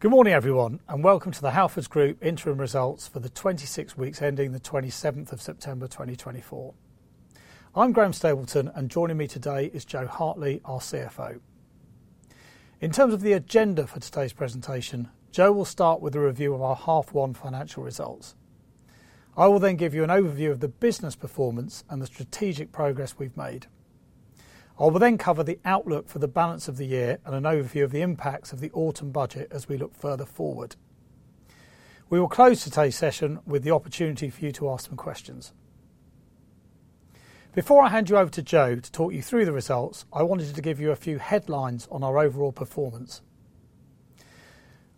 Good morning, everyone, and welcome to the Halfords Group interim results for the 26 weeks ending the 27th of September 2024. I'm Graham Stapleton, and joining me today is Jo Hartley, our CFO. In terms of the agenda for today's presentation, Jo will start with a review of our half one financial results. I will then give you an overview of the business performance and the strategic progress we've made. I will then cover the outlook for the balance of the year and an overview of the impacts of the Autumn Budget as we look further forward. We will close today's session with the opportunity for you to ask some questions. Before I hand you over to Jo to talk you through the results, I wanted to give you a few headlines on our overall performance.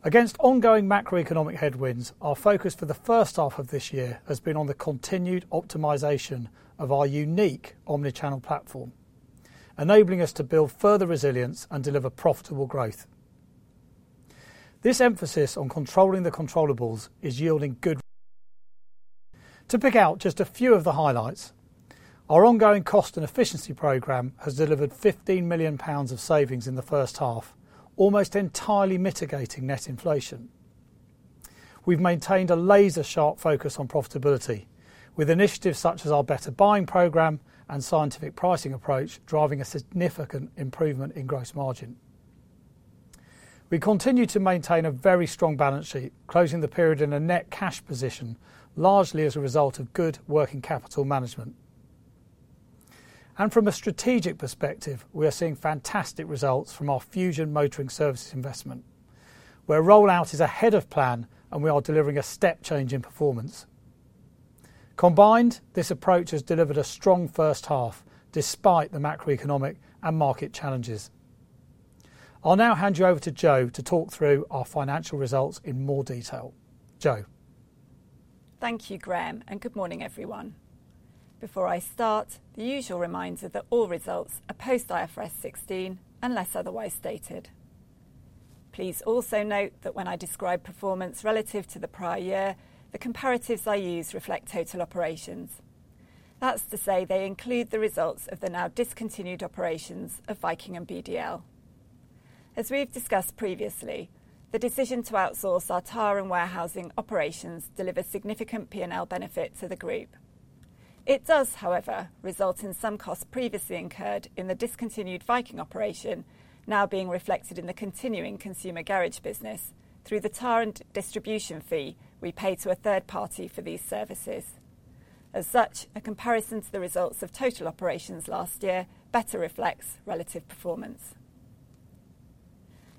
Against ongoing macroeconomic headwinds, our focus for the first half of this year has been on the continued optimization of our unique omnichannel platform, enabling us to build further resilience and deliver profitable growth. This emphasis on controlling the controllable is yielding good. To pick out just a few of the highlights, our ongoing cost and efficiency program has delivered 15 million pounds of savings in the first half, almost entirely mitigating net inflation. We've maintained a laser-sharp focus on profitability, with initiatives such as our better buying program and scientific pricing approach driving a significant improvement in gross margin. We continue to maintain a very strong balance sheet, closing the period in a net cash position, largely as a result of good working capital management. From a strategic perspective, we are seeing fantastic results from our Fusion motoring services investment, where rollout is ahead of plan and we are delivering a step change in performance. Combined, this approach has delivered a strong first half despite the macroeconomic and market challenges. I'll now hand you over to Jo to talk through our financial results in more detail. Jo. Thank you, Graham, and good morning, everyone. Before I start, the usual reminder that all results are post-IFRS 16 unless otherwise stated. Please also note that when I describe performance relative to the prior year, the comparatives I use reflect total operations. That's to say they include the results of the now discontinued operations of Viking and BDL. As we've discussed previously, the decision to outsource our tyre and warehousing operations delivers significant P&L benefits to the group. It does, however, result in some costs previously incurred in the discontinued Viking operation now being reflected in the continuing consumer garage business through the tyre and distribution fee we pay to a third party for these services. As such, a comparison to the results of total operations last year better reflects relative performance.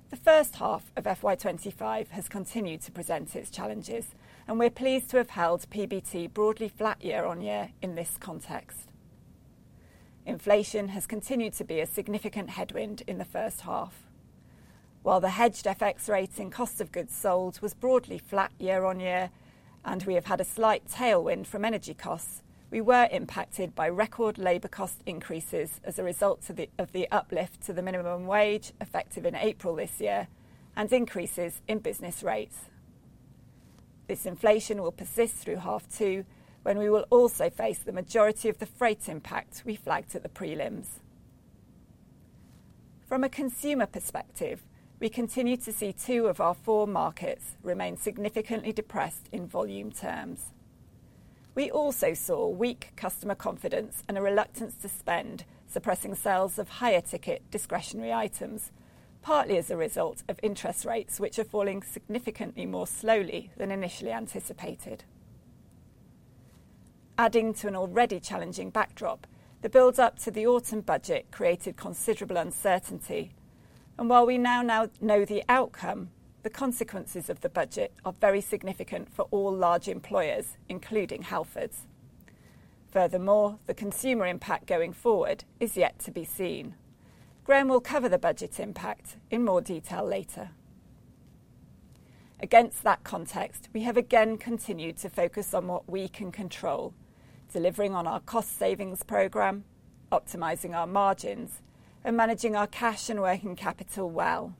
The first half of FY25 has continued to present its challenges, and we're pleased to have held PBT broadly flat year on year in this context. Inflation has continued to be a significant headwind in the first half. While the hedged FX rate in cost of goods sold was broadly flat year on year, and we have had a slight tailwind from energy costs, we were impacted by record labor cost increases as a result of the uplift to the minimum wage effective in April this year and increases in business rates. This inflation will persist through half two, when we will also face the majority of the freight impact we flagged at the prelims. From a consumer perspective, we continue to see two of our four markets remain significantly depressed in volume terms. We also saw weak customer confidence and a reluctance to spend, suppressing sales of higher ticket discretionary items, partly as a result of interest rates which are falling significantly more slowly than initially anticipated. Adding to an already challenging backdrop, the build-up to the Autumn Budget created considerable uncertainty, and while we now know the outcome, the consequences of the budget are very significant for all large employers, including Halfords. Furthermore, the consumer impact going forward is yet to be seen. Graham will cover the budget impact in more detail later. Against that context, we have again continued to focus on what we can control, delivering on our cost savings program, optimizing our margins, and managing our cash and working capital well.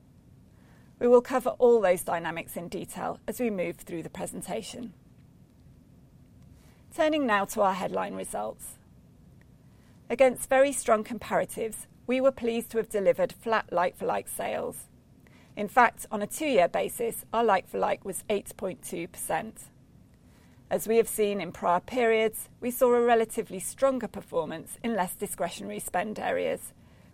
We will cover all those dynamics in detail as we move through the presentation. Turning now to our headline results. Against very strong comparatives, we were pleased to have delivered flat like-for-like sales. In fact, on a two-year basis, our like-for-like was 8.2%. As we have seen in prior periods, we saw a relatively stronger performance in less discretionary spend areas,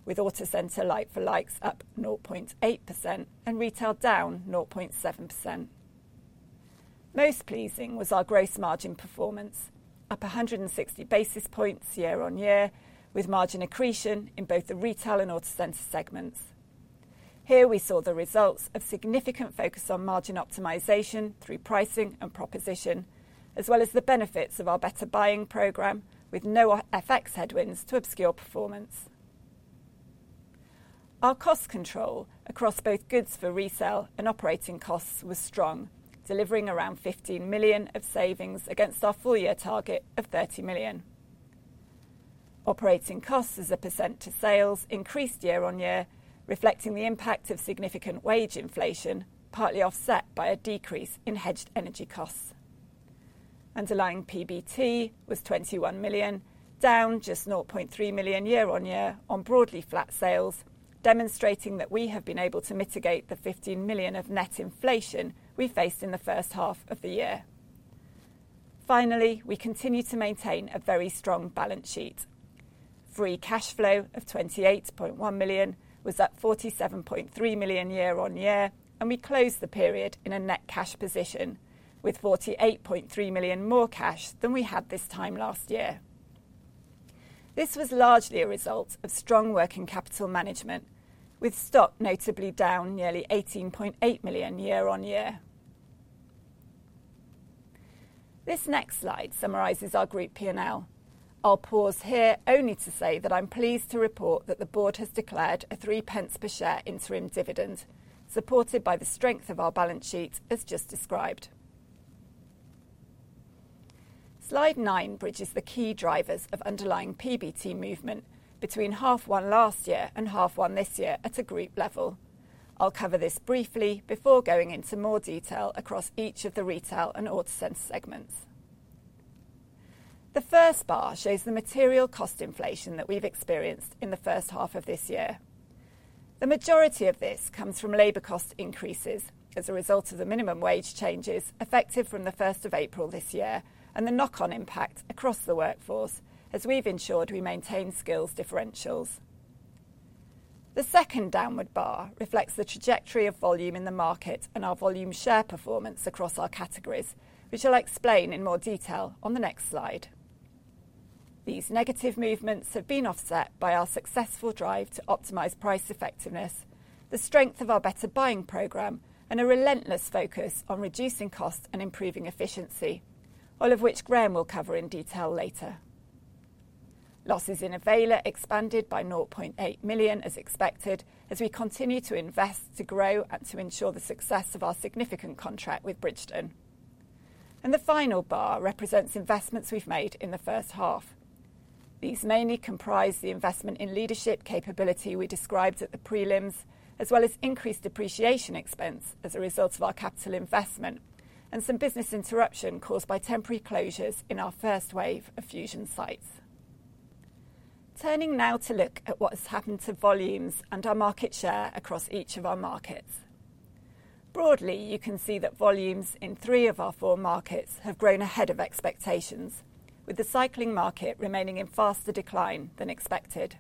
with Autocentres like-for-likes up 0.8% and retail down 0.7%. Most pleasing was our gross margin performance, up 160 basis points year on year, with margin accretion in both the retail and Autocentres segments. Here we saw the results of significant focus on margin optimization through pricing and proposition, as well as the benefits of our better buying program, with no FX headwinds to obscure performance. Our cost control across both goods for resale and operating costs was strong, delivering around £15 million of savings against our full year target of £30 million. Operating costs as a % to sales increased year on year, reflecting the impact of significant wage inflation, partly offset by a decrease in hedged energy costs. Underlying PBT was 21 million, down just 0.3 million year on year on broadly flat sales, demonstrating that we have been able to mitigate the 15 million of net inflation we faced in the first half of the year. Finally, we continue to maintain a very strong balance sheet. Free cash flow of 28.1 million was up 47.3 million year on year, and we closed the period in a net cash position with 48.3 million more cash than we had this time last year. This was largely a result of strong working capital management, with stock notably down nearly 18.8 million year on year. This next slide summarizes our group P&L. I'll pause here only to say that I'm pleased to report that the board has declared a three pence per share interim dividend, supported by the strength of our balance sheet as just described. Slide nine bridges the key drivers of underlying PBT movement between half one last year and half one this year at a group level. I'll cover this briefly before going into more detail across each of the retail and Autocentres segments. The first bar shows the material cost inflation that we've experienced in the first half of this year. The majority of this comes from labor cost increases as a result of the minimum wage changes effective from the 1st of April this year and the knock-on impact across the workforce as we've ensured we maintain skills differentials. The second downward bar reflects the trajectory of volume in the market and our volume share performance across our categories, which I'll explain in more detail on the next slide. These negative movements have been offset by our successful drive to optimize price effectiveness, the strength of our better buying program, and a relentless focus on reducing costs and improving efficiency, all of which Graham will cover in detail later. Losses in Avayler expanded by 0.8 million as expected as we continue to invest to grow and to ensure the success of our significant contract with Bridgestone, and the final bar represents investments we've made in the first half. These mainly comprise the investment in leadership capability we described at the prelims, as well as increased depreciation expense as a result of our capital investment and some business interruption caused by temporary closures in our first wave of Fusion sites. Turning now to look at what has happened to volumes and our market share across each of our markets. Broadly, you can see that volumes in three of our four markets have grown ahead of expectations, with the cycling market remaining in faster decline than expected.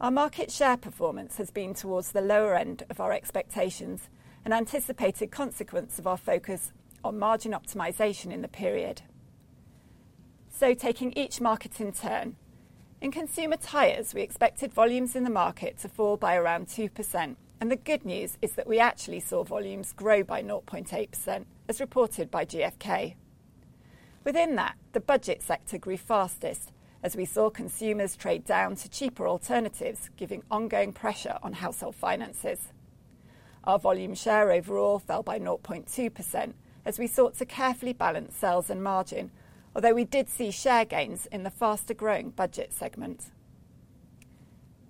Our market share performance has been towards the lower end of our expectations, an anticipated consequence of our focus on margin optimization in the period. So taking each market in turn, in consumer tyres, we expected volumes in the market to fall by around 2%. And the good news is that we actually saw volumes grow by 0.8%, as reported by GfK. Within that, the budget sector grew fastest as we saw consumers trade down to cheaper alternatives, giving ongoing pressure on household finances. Our volume share overall fell by 0.2% as we sought to carefully balance sales and margin, although we did see share gains in the faster growing budget segment.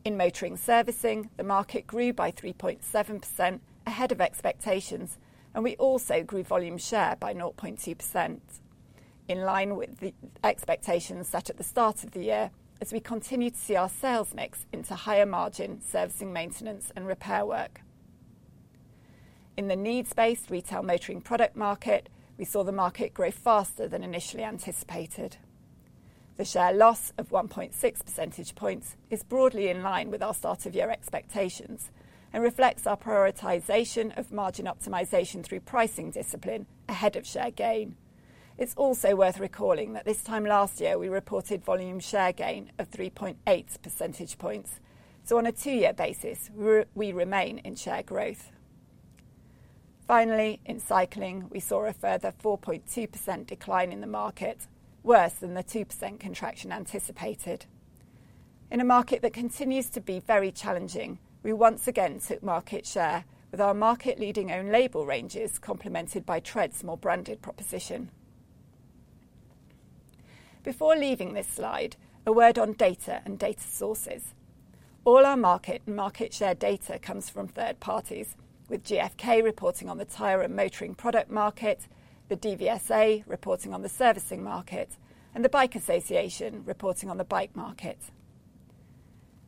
In motoring servicing, the market grew by 3.7% ahead of expectations, and we also grew volume share by 0.2%, in line with the expectations set at the start of the year as we continue to see our sales mix into higher margin servicing, maintenance, and repair work. In the needs-based retail motoring product market, we saw the market grow faster than initially anticipated. The share loss of 1.6 percentage points is broadly in line with our start of year expectations and reflects our prioritization of margin optimization through pricing discipline ahead of share gain. It's also worth recalling that this time last year we reported volume share gain of 3.8 percentage points. So on a two-year basis, we remain in share growth. Finally, in cycling, we saw a further 4.2% decline in the market, worse than the 2% contraction anticipated. In a market that continues to be very challenging, we once again took market share with our market-leading own label ranges complemented by Tredz's more branded proposition. Before leaving this slide, a word on data and data sources. All our market and market share data comes from third parties, with GfK reporting on the tire and motoring product market, the DVSA reporting on the servicing market, and the Bicycle Association reporting on the bike market.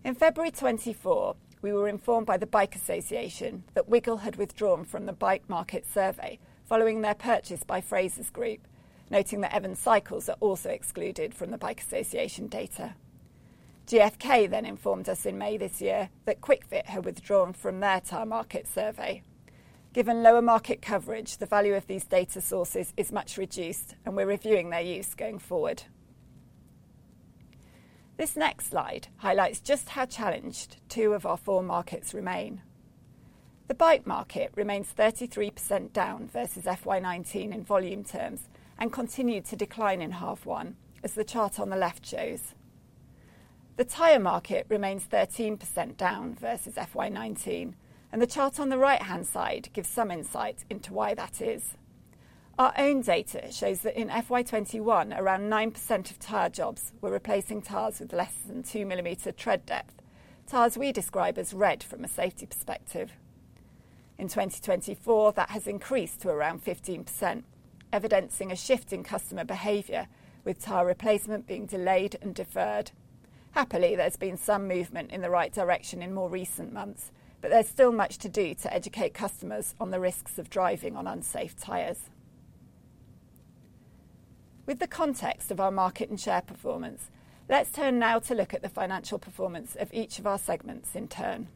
In February 2024, we were informed by the Bicycle Association that Wiggle had withdrawn from the bike market survey following their purchase by Frasers Group, noting that Evans Cycles are also excluded from the Bicycle Association data. GfK then informed us in May this year that Kwik Fit had withdrawn from their tire market survey. Given lower market coverage, the value of these data sources is much reduced, and we're reviewing their use going forward. This next slide highlights just how challenged two of our four markets remain. The bike market remains 33% down versus FY19 in volume terms and continued to decline in half one, as the chart on the left shows. The tire market remains 13% down versus FY19, and the chart on the right-hand side gives some insight into why that is. Our own data shows that in FY21, around 9% of tire jobs were replacing tires with less than 2 tread depth, tires we describe as red from a safety perspective. In 2024, that has increased to around 15%, evidencing a shift in customer behavior, with tire replacement being delayed and deferred. Happily, there's been some movement in the right direction in more recent months, but there's still much to do to educate customers on the risks of driving on unsafe tires. With the context of our market and share performance, let's turn now to look at the financial performance of each of our segments in turn.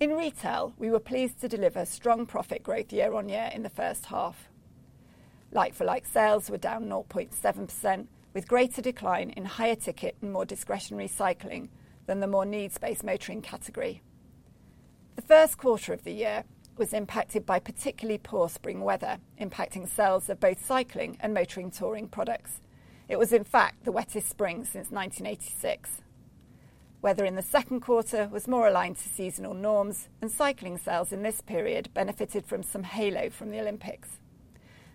In retail, we were pleased to deliver strong profit growth year on year in the first half. Like-for-like sales were down 0.7%, with greater decline in higher ticket and more discretionary cycling than the more needs-based motoring category. The first quarter of the year was impacted by particularly poor spring weather, impacting sales of both cycling and motoring touring products. It was, in fact, the wettest spring since 1986. Weather in the second quarter was more aligned to seasonal norms, and cycling sales in this period benefited from some halo from the Olympics.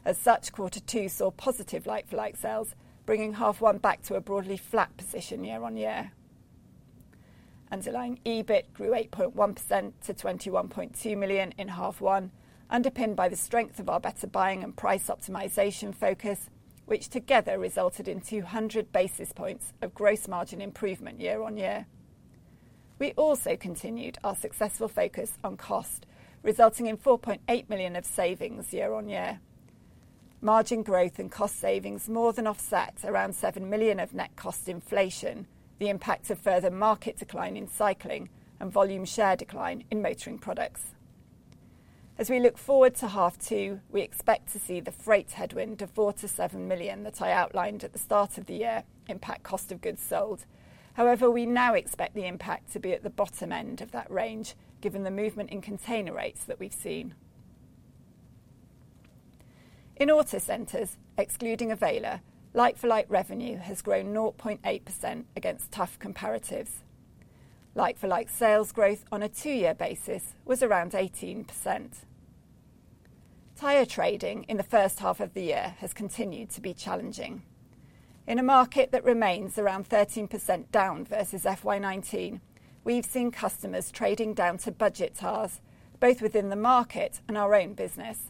As such, quarter two saw positive like-for-like sales, bringing half one back to a broadly flat position year on year. Underlying EBIT grew 8.1% to 21.2 million in half one, underpinned by the strength of our better buying and price optimization focus, which together resulted in 200 basis points of gross margin improvement year on year. We also continued our successful focus on cost, resulting in 4.8 million of savings year on year. Margin growth and cost savings more than offset around 7 million of net cost inflation, the impact of further market decline in cycling and volume share decline in motoring products. As we look forward to half two, we expect to see the freight headwind of 4 million-7 million that I outlined at the start of the year impact cost of goods sold. However, we now expect the impact to be at the bottom end of that range, given the movement in container rates that we've seen. In Autocentres, excluding Avayler, like-for-like revenue has grown 0.8% against tough comparatives. Like-for-like sales growth on a two-year basis was around 18%. Tyre trading in the first half of the year has continued to be challenging. In a market that remains around 13% down versus FY19, we've seen customers trading down to budget tyres, both within the market and our own business.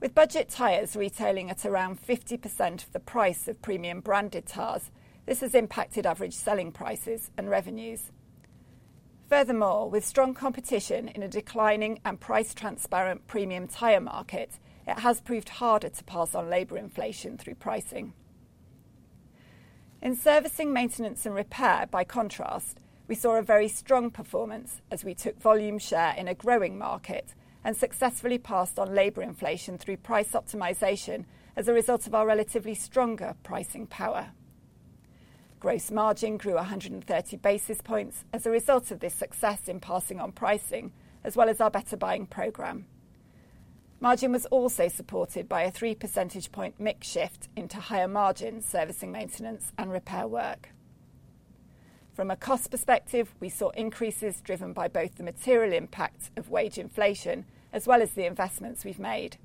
With budget tyres retailing at around 50% of the price of premium branded tyres, this has impacted average selling prices and revenues. Furthermore, with strong competition in a declining and price transparent premium tyre market, it has proved harder to pass on labor inflation through pricing. In servicing, maintenance, and repair, by contrast, we saw a very strong performance as we took volume share in a growing market and successfully passed on labor inflation through price optimization as a result of our relatively stronger pricing power. Gross margin grew 130 basis points as a result of this success in passing on pricing, as well as our better buying program. Margin was also supported by a three percentage point mix shift into higher margin servicing, maintenance, and repair work. From a cost perspective, we saw increases driven by both the material impact of wage inflation as well as the investments we've made.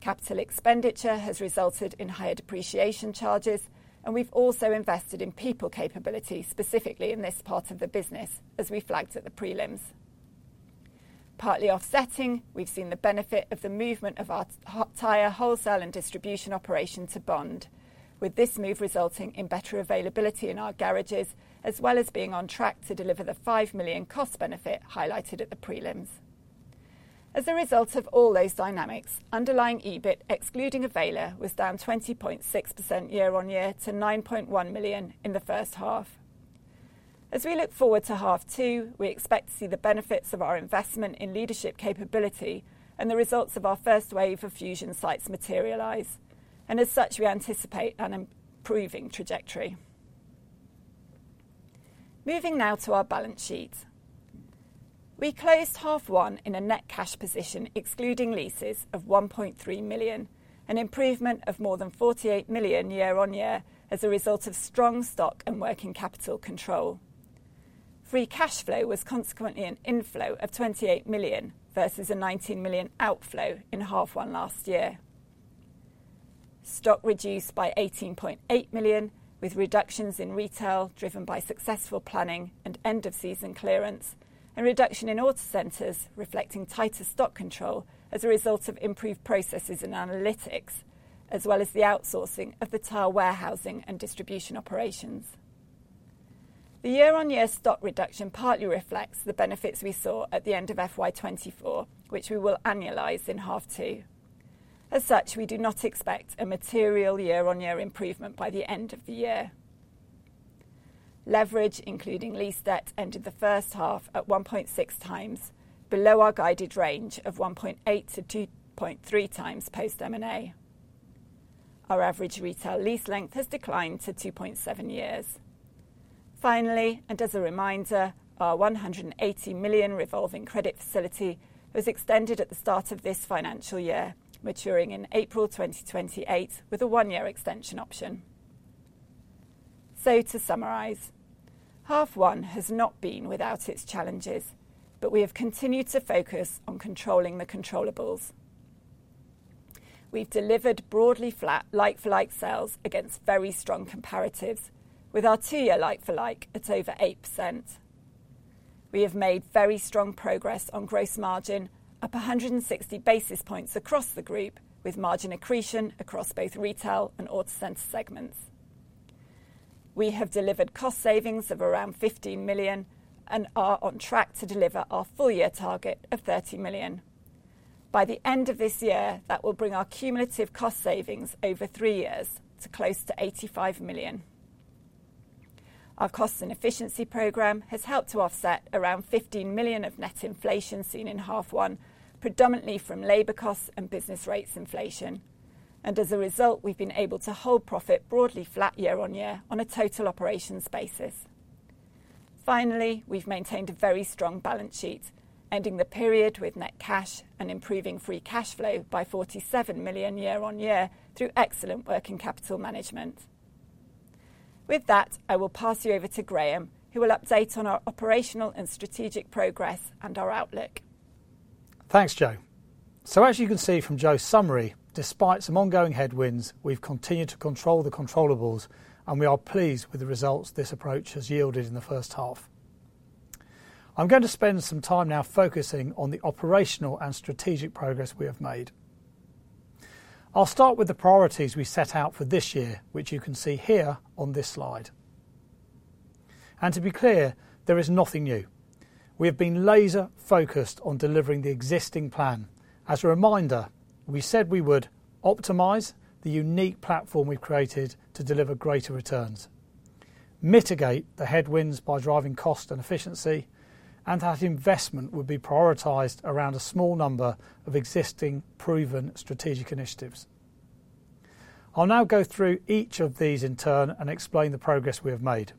Capital expenditure has resulted in higher depreciation charges, and we've also invested in people capability specifically in this part of the business, as we flagged at the prelims. Partly offsetting, we've seen the benefit of the movement of our tyre wholesale and distribution operation to Bond, with this move resulting in better availability in our garages, as well as being on track to deliver the £5 million cost benefit highlighted at the prelims. As a result of all those dynamics, underlying EBIT, excluding Avayler, was down 20.6% year on year to £9.1 million in the first half. As we look forward to half two, we expect to see the benefits of our investment in leadership capability and the results of our first wave of Fusion sites materialize. And as such, we anticipate an improving trajectory. Moving now to our balance sheet. We closed half one in a net cash position, excluding leases, of £1.3 million, an improvement of more than £48 million year on year as a result of strong stock and working capital control. Free cash flow was consequently an inflow of 28 million versus a 19 million outflow in half one last year. Stock reduced by 18.8 million, with reductions in retail driven by successful planning and end-of-season clearance, and reduction in Autocentres reflecting tighter stock control as a result of improved processes and analytics, as well as the outsourcing of the tire warehousing and distribution operations. The year-on-year stock reduction partly reflects the benefits we saw at the end of FY24, which we will annualize in half two. As such, we do not expect a material year-on-year improvement by the end of the year. Leverage, including lease debt, ended the first half at 1.6 times, below our guided range of 1.8-2.3 times post-M&A. Our average retail lease length has declined to 2.7 years. Finally, and as a reminder, our 180 million revolving credit facility was extended at the start of this financial year, maturing in April 2028 with a one-year extension option. So to summarize, half one has not been without its challenges, but we have continued to focus on controlling the controllables. We've delivered broadly flat like-for-like sales against very strong comparatives, with our two-year like-for-like at over 8%. We have made very strong progress on gross margin up 160 basis points across the group, with margin accretion across both retail and Autocentres segments. We have delivered cost savings of around 15 million and are on track to deliver our full-year target of 30 million. By the end of this year, that will bring our cumulative cost savings over three years to close to 85 million. Our cost and efficiency program has helped to offset around 15 million of net inflation seen in half one, predominantly from labor costs and business rates inflation. And as a result, we've been able to hold profit broadly flat year on year on a total operations basis. Finally, we've maintained a very strong balance sheet, ending the period with net cash and improving free cash flow by 47 million year on year through excellent working capital management. With that, I will pass you over to Graham, who will update on our operational and strategic progress and our outlook. Thanks, Jo. So as you can see from Jo's summary, despite some ongoing headwinds, we've continued to control the controllables, and we are pleased with the results this approach has yielded in the first half. I'm going to spend some time now focusing on the operational and strategic progress we have made. I'll start with the priorities we set out for this year, which you can see here on this slide. To be clear, there is nothing new. We have been laser-focused on delivering the existing plan. As a reminder, we said we would optimize the unique platform we've created to deliver greater returns, mitigate the headwinds by driving cost and efficiency, and that investment would be prioritized around a small number of existing proven strategic initiatives. I'll now go through each of these in turn and explain the progress we have made,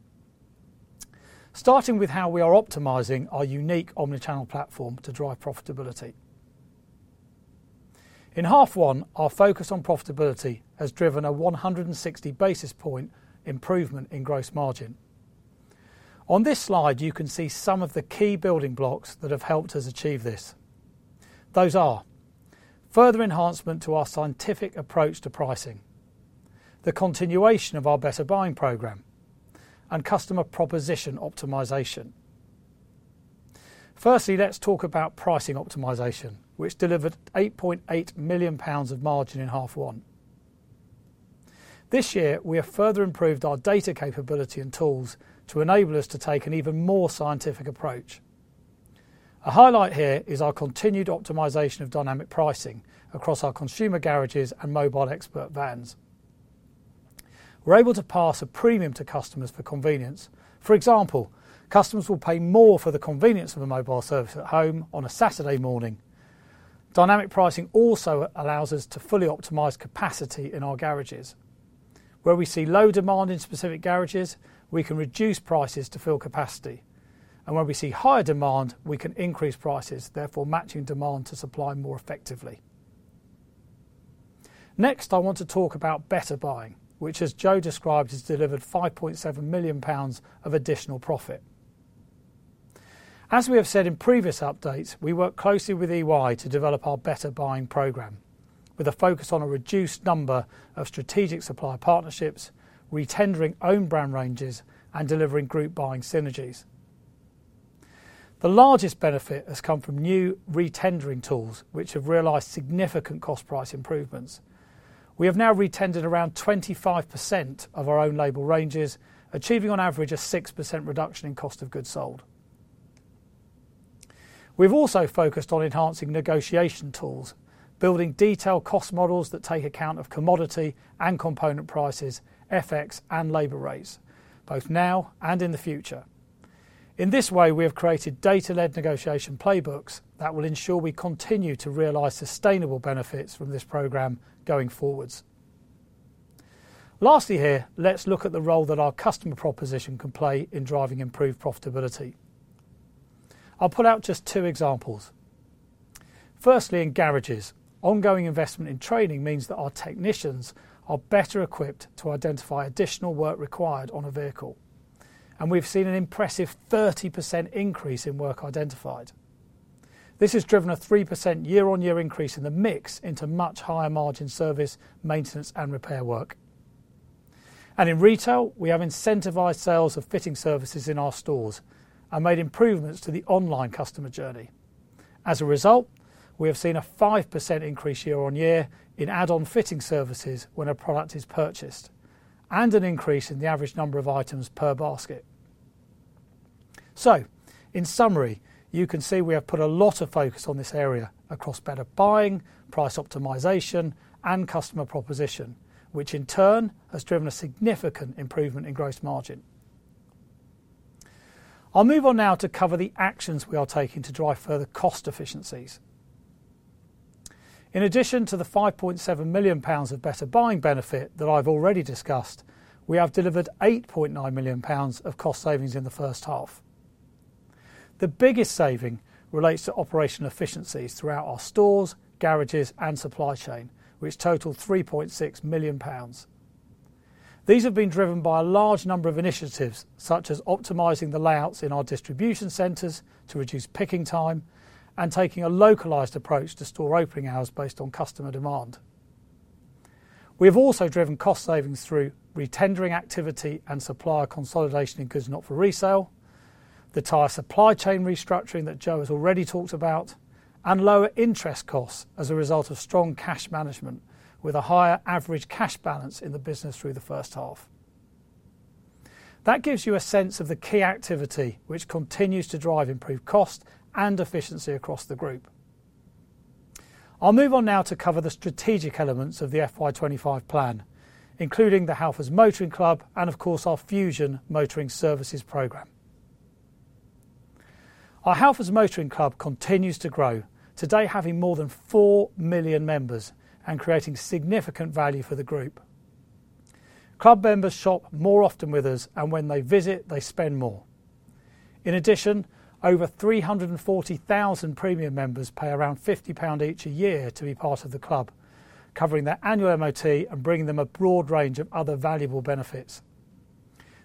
starting with how we are optimizing our unique omnichannel platform to drive profitability. In half one, our focus on profitability has driven a 160 basis points improvement in gross margin. On this slide, you can see some of the key building blocks that have helped us achieve this. Those are further enhancements to our scientific approach to pricing, the continuation of our better buying program, and customer proposition optimization. Firstly, let's talk about pricing optimization, which delivered 8.8 million pounds of margin in half one. This year, we have further improved our data capability and tools to enable us to take an even more scientific approach. A highlight here is our continued optimization of dynamic pricing across our consumer garages and Mobile Expert vans. We're able to pass a premium to customers for convenience. For example, customers will pay more for the convenience of a mobile service at home on a Saturday morning. Dynamic pricing also allows us to fully optimize capacity in our garages. Where we see low demand in specific garages, we can reduce prices to fill capacity, and where we see higher demand, we can increase prices, therefore matching demand to supply more effectively. Next, I want to talk about better buying, which, as Jo described, has delivered 5.7 million pounds of additional profit. As we have said in previous updates, we work closely with EY to develop our better buying program, with a focus on a reduced number of strategic supplier partnerships, retendering own brand ranges, and delivering group buying synergies. The largest benefit has come from new retendering tools, which have realized significant cost-price improvements. We have now retendered around 25% of our own label ranges, achieving on average a 6% reduction in cost of goods sold. We've also focused on enhancing negotiation tools, building detailed cost models that take account of commodity and component prices, FX, and labor rates, both now and in the future. In this way, we have created data-led negotiation playbooks that will ensure we continue to realize sustainable benefits from this program going forward. Lastly here, let's look at the role that our customer proposition can play in driving improved profitability. I'll put out just two examples. Firstly, in garages, ongoing investment in training means that our technicians are better equipped to identify additional work required on a vehicle. And we've seen an impressive 30% increase in work identified. This has driven a 3% year-on-year increase in the mix into much higher margin service, maintenance, and repair work. And in retail, we have incentivized sales of fitting services in our stores and made improvements to the online customer journey. As a result, we have seen a 5% increase year-on-year in add-on fitting services when a product is purchased, and an increase in the average number of items per basket. So, in summary, you can see we have put a lot of focus on this area across better buying, price optimization, and customer proposition, which in turn has driven a significant improvement in gross margin. I'll move on now to cover the actions we are taking to drive further cost efficiencies. In addition to the 5.7 million pounds of better buying benefit that I've already discussed, we have delivered 8.9 million pounds of cost savings in the first half. The biggest saving relates to operational efficiencies throughout our stores, garages, and supply chain, which total 3.6 million pounds. These have been driven by a large number of initiatives, such as optimizing the layouts in our distribution centers to reduce picking time and taking a localized approach to store opening hours based on customer demand. We have also driven cost savings through retendering activity and supplier consolidation in goods not for resale, the tire supply chain restructuring that Jo has already talked about, and lower interest costs as a result of strong cash management with a higher average cash balance in the business through the first half. That gives you a sense of the key activity, which continues to drive improved cost and efficiency across the group. I'll move on now to cover the strategic elements of the FY25 plan, including the Halfords Motoring Club and, of course, our Fusion Motoring Services Program. Our Halfords Motoring Club continues to grow, today having more than four million members and creating significant value for the group. Club members shop more often with us, and when they visit, they spend more. In addition, over 340,000 premium members pay around GBP 50 each a year to be part of the club, covering their annual MOT and bringing them a broad range of other valuable benefits.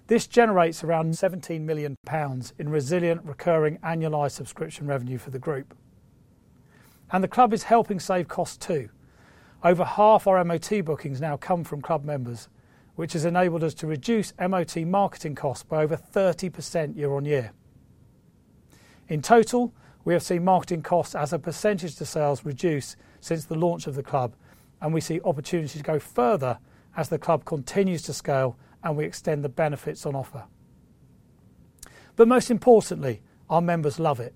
This generates around 17 million pounds in resilient recurring annualized subscription revenue for the group. And the club is helping save costs too. Over half our MOT bookings now come from club members, which has enabled us to reduce MOT marketing costs by over 30% year-on-year. In total, we have seen marketing costs as a percentage of sales reduce since the launch of the club, and we see opportunities go further as the club continues to scale and we extend the benefits on offer. But most importantly, our members love it.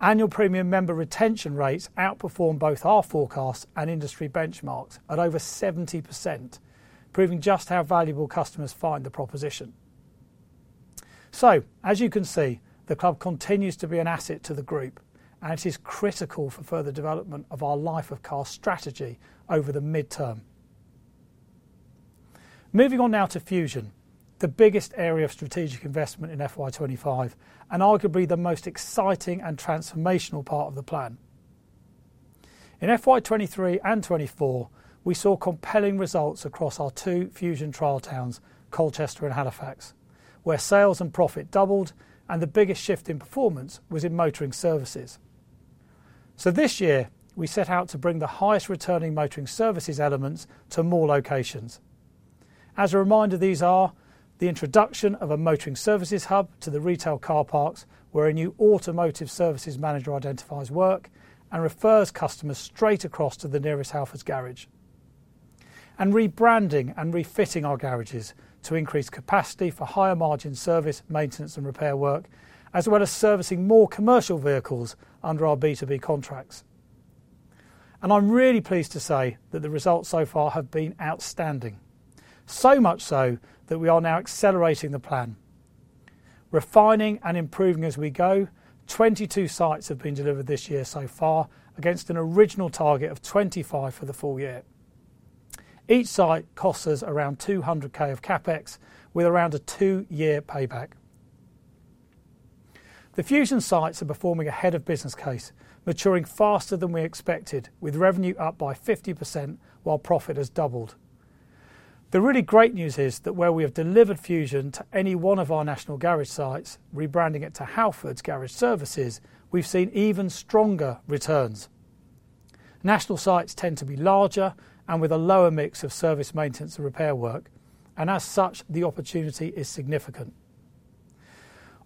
Annual premium member retention rates outperform both our forecasts and industry benchmarks at over 70%, proving just how valuable customers find the proposition. As you can see, the club continues to be an asset to the group, and it is critical for further development of our life-of-car strategy over the mid-term. Moving on now to Fusion, the biggest area of strategic investment in FY25, and arguably the most exciting and transformational part of the plan. In FY23 and 24, we saw compelling results across our two Fusion trial towns, Colchester and Halifax, where sales and profit doubled, and the biggest shift in performance was in motoring services. This year, we set out to bring the highest returning motoring services elements to more locations. As a reminder, these are the introduction of a motoring services hub to the retail car parks, where a new automotive services manager identifies work and refers customers straight across to the nearest Halfords garage, and rebranding and refitting our garages to increase capacity for higher margin service, maintenance, and repair work, as well as servicing more commercial vehicles under our B2B contracts, and I'm really pleased to say that the results so far have been outstanding, so much so that we are now accelerating the plan, refining and improving as we go. 22 sites have been delivered this year so far against an original target of 25 for the full year. Each site costs us around £200,000 of CapEx, with around a two-year payback. The Fusion sites are performing ahead of business case, maturing faster than we expected, with revenue up by 50% while profit has doubled. The really great news is that where we have delivered Fusion to any one of our national garage sites, rebranding it to Halfords Garage Services, we've seen even stronger returns. National sites tend to be larger and with a lower mix of service, maintenance, and repair work, and as such, the opportunity is significant.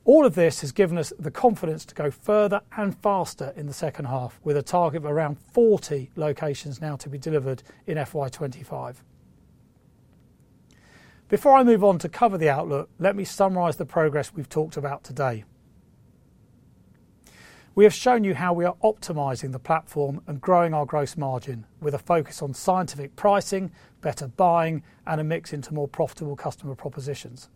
All of this has given us the confidence to go further and faster in the second half, with a target of around 40 locations now to be delivered in FY25. Before I move on to cover the outlook, let me summarize the progress we've talked about today. We have shown you how we are optimizing the platform and growing our gross margin with a focus on scientific pricing, better buying, and a mix into more profitable customer propositions.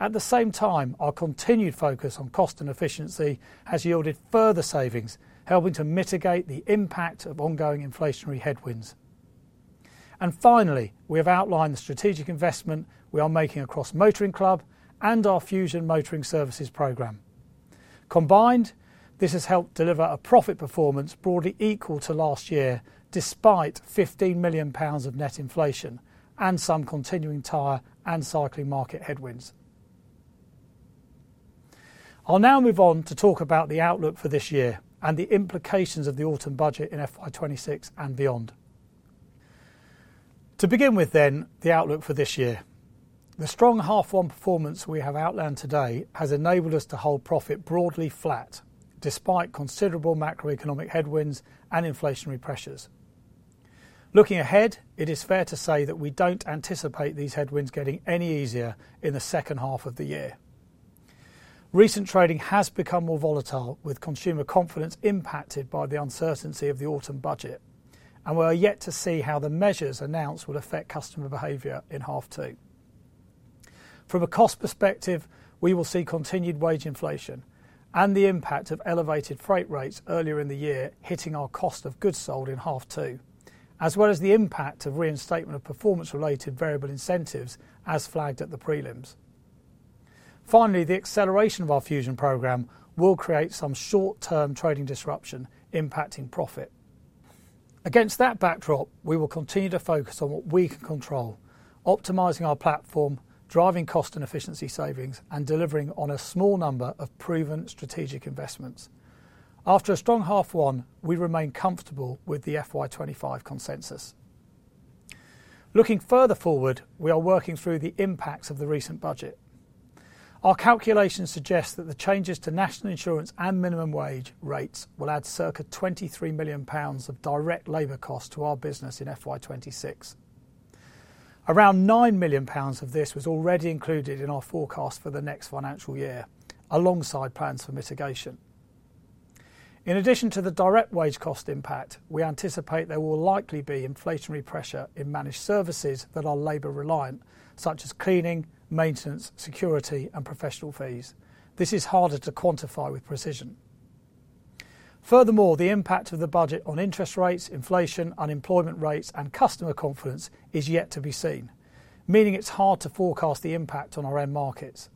At the same time, our continued focus on cost and efficiency has yielded further savings, helping to mitigate the impact of ongoing inflationary headwinds. And finally, we have outlined the strategic investment we are making across Motoring Club and our Fusion Motoring Services Program. Combined, this has helped deliver a profit performance broadly equal to last year, despite 15 million pounds of net inflation and some continuing tire and cycling market headwinds. I'll now move on to talk about the outlook for this year and the implications of the Autumn Budget in FY26 and beyond. To begin with, then, the outlook for this year. The strong half-one performance we have outlined today has enabled us to hold profit broadly flat despite considerable macroeconomic headwinds and inflationary pressures. Looking ahead, it is fair to say that we don't anticipate these headwinds getting any easier in the second half of the year. Recent trading has become more volatile, with consumer confidence impacted by the uncertainty of the Autumn Budget, and we are yet to see how the measures announced will affect customer behavior in half two. From a cost perspective, we will see continued wage inflation and the impact of elevated freight rates earlier in the year hitting our cost of goods sold in half two, as well as the impact of reinstatement of performance-related variable incentives as flagged at the prelims. Finally, the acceleration of our Fusion program will create some short-term trading disruption impacting profit. Against that backdrop, we will continue to focus on what we can control, optimizing our platform, driving cost and efficiency savings, and delivering on a small number of proven strategic investments. After a strong half one, we remain comfortable with the FY25 consensus. Looking further forward, we are working through the impacts of the recent budget. Our calculations suggest that the changes to National Insurance and minimum wage rates will add circa 23 million pounds of direct labor cost to our business in FY26. Around 9 million pounds of this was already included in our forecast for the next financial year, alongside plans for mitigation. In addition to the direct wage cost impact, we anticipate there will likely be inflationary pressure in managed services that are labor-reliant, such as cleaning, maintenance, security, and professional fees. This is harder to quantify with precision. Furthermore, the impact of the budget on interest rates, inflation, unemployment rates, and customer confidence is yet to be seen, meaning it's hard to forecast the impact on our end markets.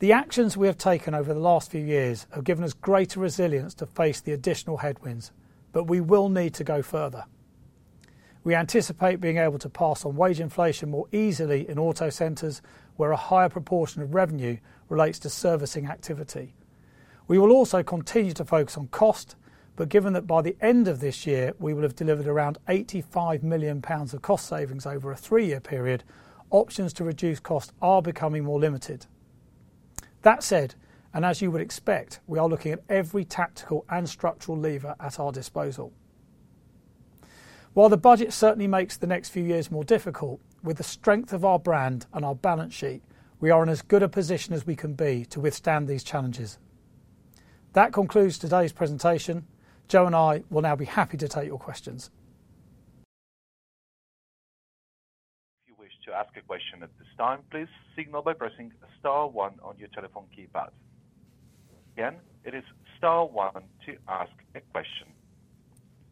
The actions we have taken over the last few years have given us greater resilience to face the additional headwinds, but we will need to go further. We anticipate being able to pass on wage inflation more easily in auto centers, where a higher proportion of revenue relates to servicing activity. We will also continue to focus on cost, but given that by the end of this year, we will have delivered around 85 million pounds of cost savings over a three-year period, options to reduce costs are becoming more limited. That said, and as you would expect, we are looking at every tactical and structural lever at our disposal. While the budget certainly makes the next few years more difficult, with the strength of our brand and our balance sheet, we are in as good a position as we can be to withstand these challenges. That concludes today's presentation. Joe and I will now be happy to take your questions. If you wish to ask a question at this time, please signal by pressing Star 1 on your telephone keypad. Again, it is Star 1 to ask a question.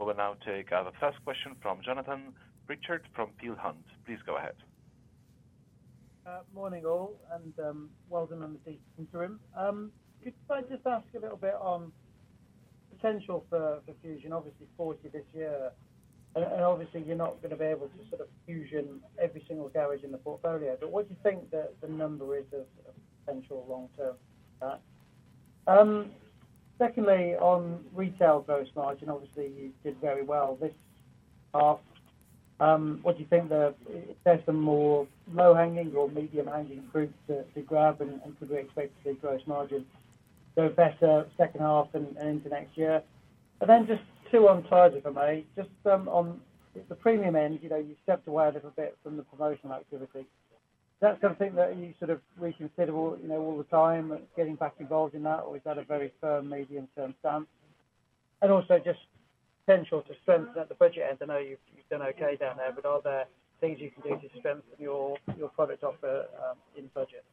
We will now take our first question from Jonathan Pritchard from Peel Hunt. Please go ahead. Morning, all, and welcome to the Fusion Room. Could you just ask a little bit on the potential for Fusion? Obviously, 40 this year, and obviously, you're not going to be able to sort of Fusion every single garage in the portfolio. But what do you think the number is of potential long-term? Secondly, on retail gross margin, obviously, you did very well this half. What do you think? Is there some more low-hanging or medium-hanging fruit to grab, and could we expect to see gross margins go better second half and into next year? And then just two on Tyson, if I may. Just on the premium end, you stepped away a little bit from the promotional activity. That's something that you sort of reconsider all the time, getting back involved in that, or is that a very firm medium-term stance? And also just potential to strengthen at the budget end. I know you've done okay down there, but are there things you can do to strengthen your product offer in budget?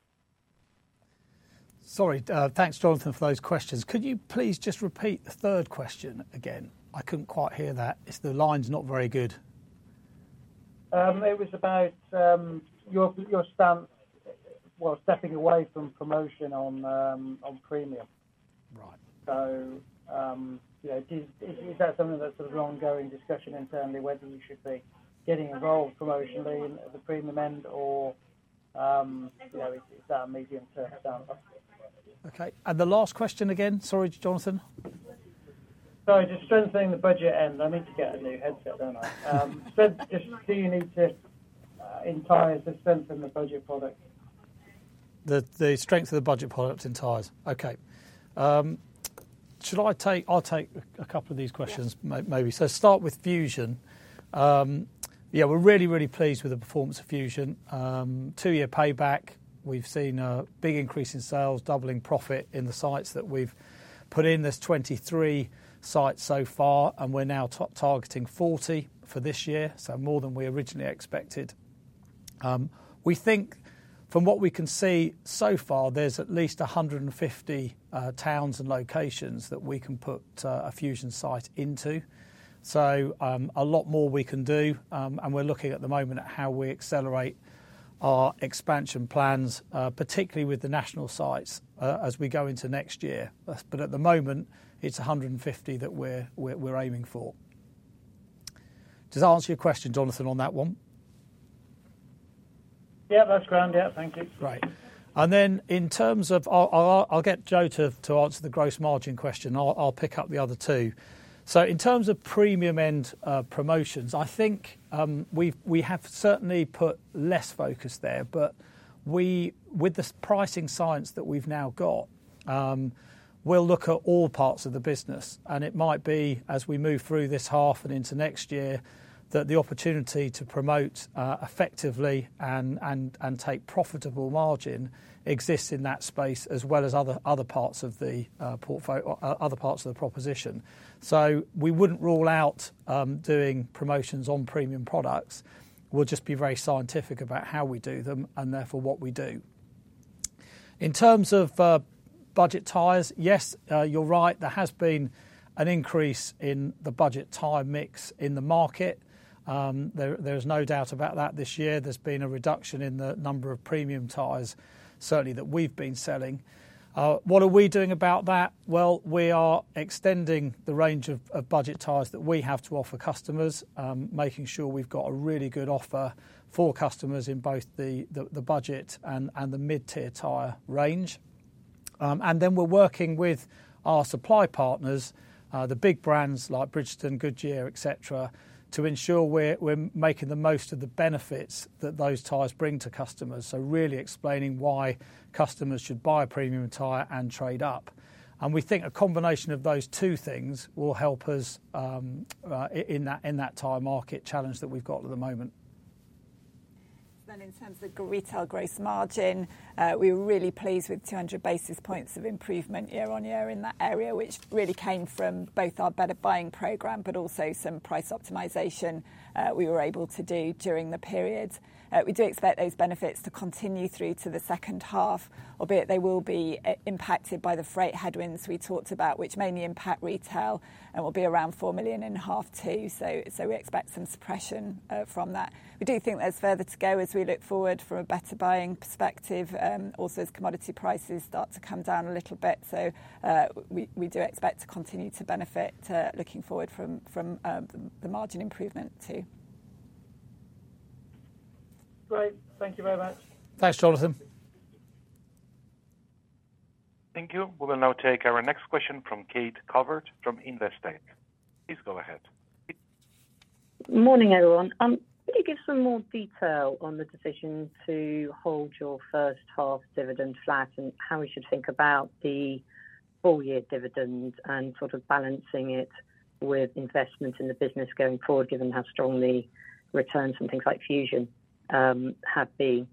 Sorry, thanks, Jonathan, for those questions. Could you please just repeat the third question again? I couldn't quite hear that. The line's not very good. It was about your stance, well, stepping away from promotion on premium. So is that something that's an ongoing discussion internally, whether you should be getting involved promotionally at the premium end, or is that a medium-term stance? Okay. And the last question again? Sorry, Jonathan. Sorry, just strengthening the budget end. I need to get a new headset, don't I? Just do you need to. in tyres, strengthen the budget product? The strength of the budget product in Lynn Tyson. Okay. I'll take a couple of these questions, maybe. So start with Fusion. Yeah, we're really, really pleased with the performance of Fusion. Two-year payback. We've seen a big increase in sales, doubling profit in the sites that we've put in. There's 23 sites so far, and we're now targeting 40 for this year, so more than we originally expected. We think, from what we can see so far, there's at least 150 towns and locations that we can put a Fusion site into. So a lot more we can do, and we're looking at the moment at how we accelerate our expansion plans, particularly with the national sites as we go into next year. But at the moment, it's 150 that we're aiming for. Does that answer your question, Jonathan, on that one? Yeah, that's great. Thank you. Great. And then in terms of, I'll get Joe to answer the gross margin question. I'll pick up the other two. So in terms of premium end promotions, I think we have certainly put less focus there, but with the pricing science that we've now got, we'll look at all parts of the business. It might be, as we move through this half and into next year, that the opportunity to promote effectively and take profitable margin exists in that space, as well as other parts of the portfolio, other parts of the proposition. So we wouldn't rule out doing promotions on premium products. We'll just be very scientific about how we do them and therefore what we do. In terms of budget tires, yes, you're right. There has been an increase in the budget tire mix in the market. There is no doubt about that this year. There's been a reduction in the number of premium tires, certainly, that we've been selling. What are we doing about that? Well, we are extending the range of budget tires that we have to offer customers, making sure we've got a really good offer for customers in both the budget and the mid-tier tire range. And then we're working with our supply partners, the big brands like Bridgestone, Goodyear, etc., to ensure we're making the most of the benefits that those tires bring to customers. So really explaining why customers should buy a premium tyre and trade up. And we think a combination of those two things will help us in that tyre market challenge that we've got at the moment. Then in terms of retail gross margin, we were really pleased with 200 basis points of improvement year on year in that area, which really came from both our better buying program, but also some price optimization we were able to do during the period. We do expect those benefits to continue through to the second half, albeit they will be impacted by the freight headwinds we talked about, which mainly impact retail, and will be around 4.5 million too. So we expect some suppression from that. We do think there's further to go as we look forward from a better buying perspective. Also, as commodity prices start to come down a little bit, so we do expect to continue to benefit looking forward from the margin improvement too. Great. Thank you very much. Thanks, Jonathan. Thank you. We will now take our next question from Kate Calvert from Investec. Please go ahead. Morning, everyone. Could you give some more detail on the decision to hold your first half dividend flat and how we should think about the full-year dividend and sort of balancing it with investment in the business going forward, given how strong the returns and things like Fusion have been?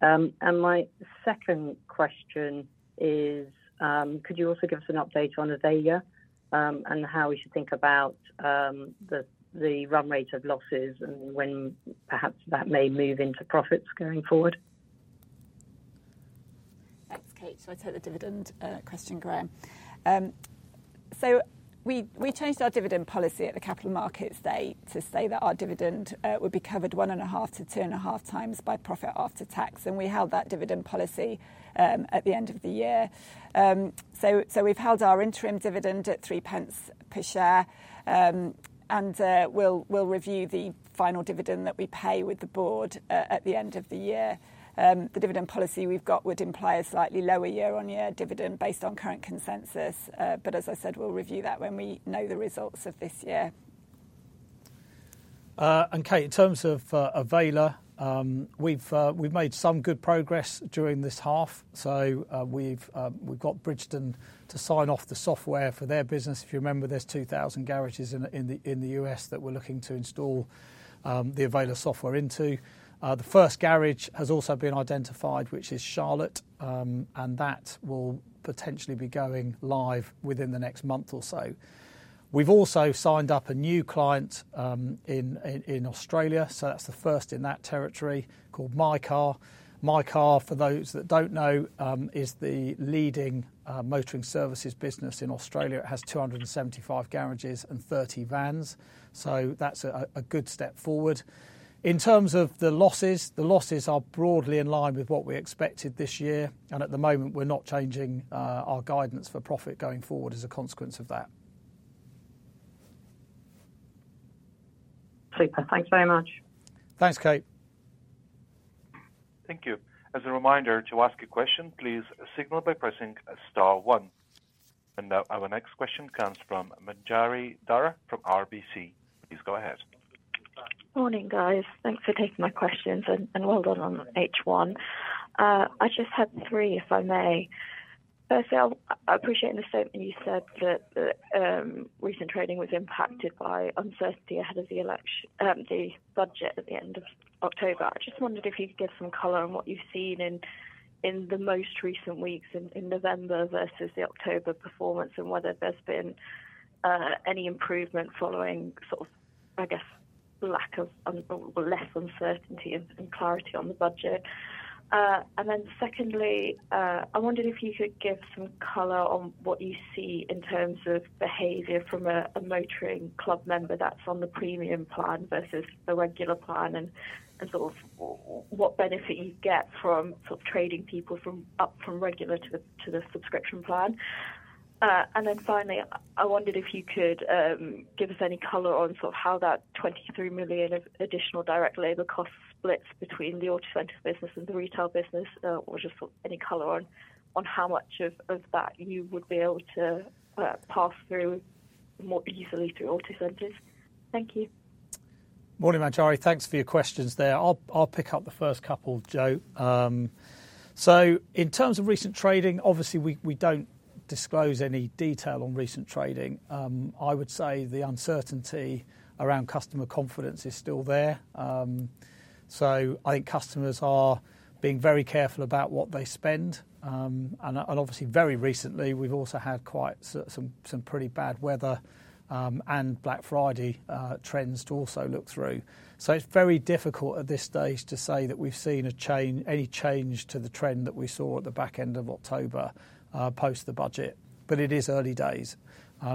And my second question is, could you also give us an update on Avayler and how we should think about the run rate of losses and when perhaps that may move into profits going forward? Thanks, Kate. So I'll take the dividend question, Graham. So we changed our dividend policy at the capital markets day to say that our dividend would be covered one and a half to two and a half times by profit after tax, and we held that dividend policy at the end of the year. So we've held our interim dividend at three pence per share, and we'll review the final dividend that we pay with the board at the end of the year. The dividend policy we've got would imply a slightly lower year-on-year dividend based on current consensus, but as I said, we'll review that when we know the results of this year. Kate, in terms of Avayler, we've made some good progress during this half. So we've got Bridgestone to sign off the software for their business. If you remember, there's 2,000 garages in the U.S. that we're looking to install the Avayler software into. The first garage has also been identified, which is Charlotte, and that will potentially be going live within the next month or so. We've also signed up a new client in Australia, so that's the first in that territory called MyCar. MyCar, for those that don't know, is the leading motoring services business in Australia. It has 275 garages and 30 vans, so that's a good step forward. In terms of the losses, the losses are broadly in line with what we expected this year, and at the moment, we're not changing our guidance for profit going forward as a consequence of that. Super. Thanks very much. Thanks, Kate. Thank you. As a reminder, to ask a question, please signal by pressing Star 1. And now our next question comes from Manjari Dhar from RBC. Please go ahead. Morning, guys. Thanks for taking my questions and well done on H1. I just had three, if I may. Firstly, I appreciate the statement you said that recent trading was impacted by uncertainty ahead of the budget at the end of October. I just wondered if you could give some color on what you've seen in the most recent weeks in November versus the October performance and whether there's been any improvement following sort of, I guess, lack of less uncertainty and clarity on the budget. And then secondly, I wondered if you could give some color on what you see in terms of behavior from a motoring club member that's on the premium plan versus the regular plan and sort of what benefit you get from sort of trading people up from regular to the subscription plan. And then finally, I wondered if you could give us any color on sort of how that 23 million of additional direct labor costs splits between the auto center business and the retail business, or just sort of any color on how much of that you would be able to pass through more easily through auto centers. Thank you. Morning, Manjari. Thanks for your questions there. I'll pick up the first couple, Jo. So in terms of recent trading, obviously, we don't disclose any detail on recent trading. I would say the uncertainty around customer confidence is still there. So I think customers are being very careful about what they spend. And obviously, very recently, we've also had quite some pretty bad weather and Black Friday trends to also look through. So it's very difficult at this stage to say that we've seen any change to the trend that we saw at the back end of October post the budget, but it is early days.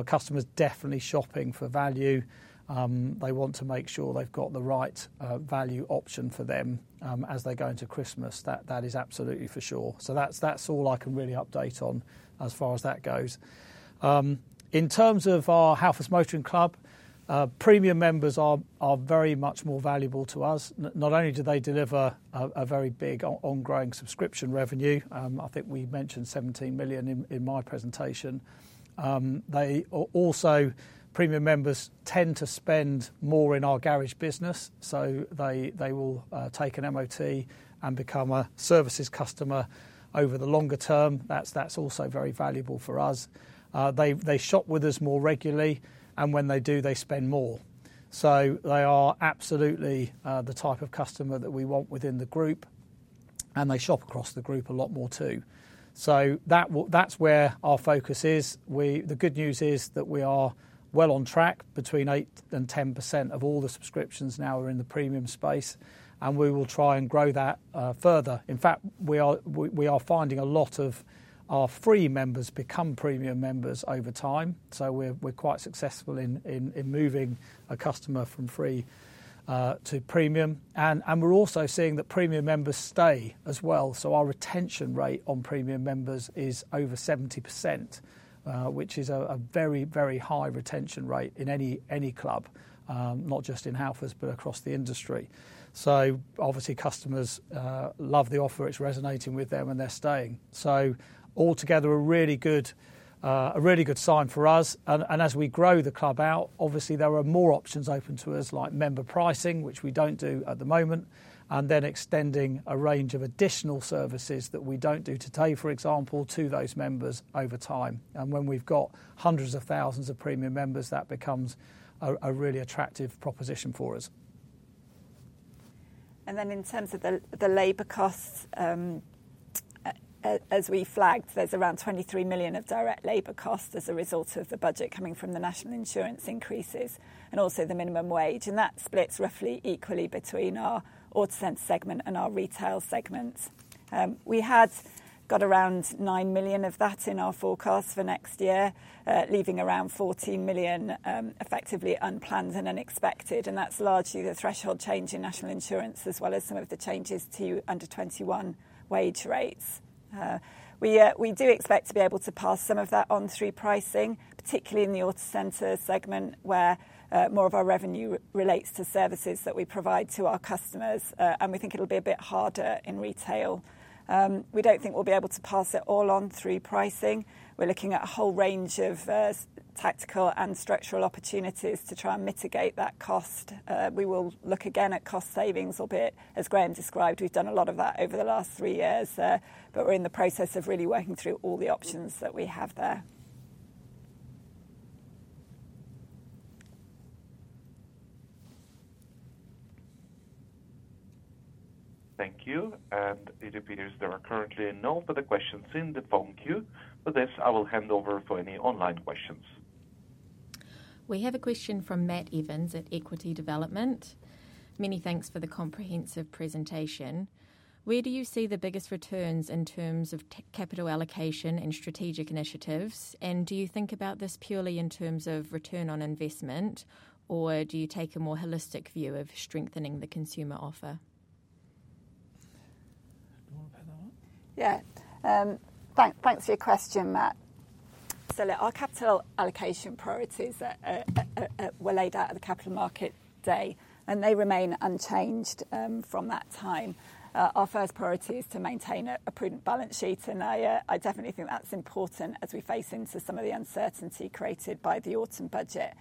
Customers are definitely shopping for value. They want to make sure they've got the right value option for them as they're going to Christmas. That is absolutely for sure. So that's all I can really update on as far as that goes. In terms of our Halfords Motoring Club, premium members are very much more valuable to us. Not only do they deliver a very big ongoing subscription revenue, I think we mentioned £17 million in my presentation. Also, premium members tend to spend more in our garage business, so they will take an MOT and become a services customer over the longer term. That's also very valuable for us. They shop with us more regularly, and when they do, they spend more, so they are absolutely the type of customer that we want within the group, and they shop across the group a lot more too, so that's where our focus is. The good news is that we are well on track. Between eight and 10% of all the subscriptions now are in the premium space, and we will try and grow that further. In fact, we are finding a lot of our free members become premium members over time, so we're quite successful in moving a customer from free to premium. And we're also seeing that premium members stay as well. So our retention rate on premium members is over 70%, which is a very, very high retention rate in any club, not just in Halfords, but across the industry. So obviously, customers love the offer. It's resonating with them, and they're staying. So altogether, a really good sign for us. And as we grow the club out, obviously, there are more options open to us, like member pricing, which we don't do at the moment, and then extending a range of additional services that we don't do today, for example, to those members over time. And when we've got hundreds of thousands of premium members, that becomes a really attractive proposition for us. And then in terms of the labor costs, as we flagged, there's around 23 million of direct labor costs as a result of the budget coming from the National Insurance increases and also the minimum wage. And that splits roughly equally between our auto center segment and our retail segment. We had got around 9 million of that in our forecast for next year, leaving around 14 million effectively unplanned and unexpected. And that's largely the threshold change in National Insurance, as well as some of the changes to under 21 wage rates. We do expect to be able to pass some of that on through pricing, particularly in the auto center segment, where more of our revenue relates to services that we provide to our customers, and we think it'll be a bit harder in retail. We don't think we'll be able to pass it all on through pricing. We're looking at a whole range of tactical and structural opportunities to try and mitigate that cost. We will look again at cost savings, albeit as Graham described, we've done a lot of that over the last three years, but we're in the process of really working through all the options that we have there. Thank you. And it appears there are currently no further questions in the phone queue. With this, I will hand over for any online questions. We have a question from Matt Evans at Equity Development. Many thanks for the comprehensive presentation. Where do you see the biggest returns in terms of capital allocation and strategic initiatives? And do you think about this purely in terms of return on investment, or do you take a more holistic view of strengthening the consumer offer? Yeah. Thanks for your question, Matt. So our capital allocation priorities were laid out at the Capital Markets Day, and they remain unchanged from that time. Our first priority is to maintain a prudent balance sheet, and I definitely think that's important as we face into some of the uncertainty created by the Autumn Budget.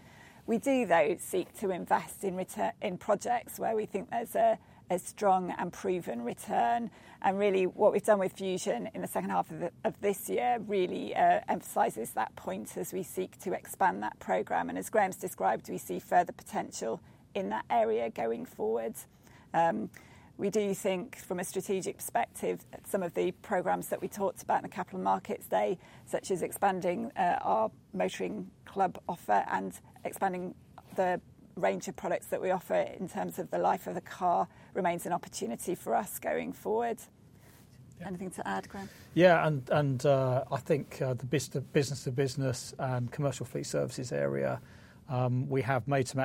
We do, though, seek to invest in projects where we think there's a strong and proven return. Really, what we've done with Fusion in the second half of this year really emphasizes that point as we seek to expand that program. As Graham's described, we see further potential in that area going forward. We do think, from a strategic perspective, some of the programs that we talked about in the capital markets day, such as expanding our motoring club offer and expanding the range of products that we offer in terms of the life of the car, remains an opportunity for us going forward. Anything to add, Graham? Yeah. I think the business-to-business and commercial fleet services area, we have made some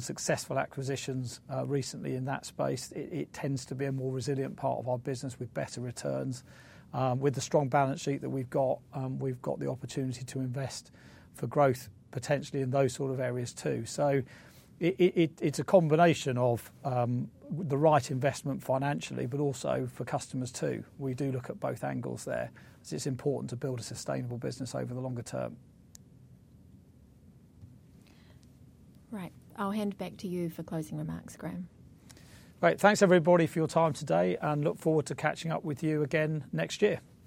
successful acquisitions recently in that space. It tends to be a more resilient part of our business with better returns. With the strong balance sheet that we've got, we've got the opportunity to invest for growth potentially in those sort of areas too. It's a combination of the right investment financially, but also for customers too. We do look at both angles there, as it's important to build a sustainable business over the longer term. Right. I'll hand back to you for closing remarks, Graham. Right. Thanks, everybody, for your time today, and look forward to catching up with you again next year.